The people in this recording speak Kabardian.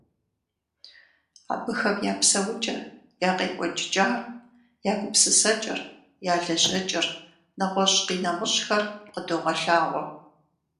Абыхэм я псэукӀэр, я къекӀуэкӀыкӀар, я гупысэкӀэр, я лэжьэкӀэр, нэгъуэщӀ-къинэмыщӀхэр къыдогъэлъэгъуэ.